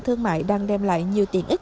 thương mại đang đem lại nhiều tiện ích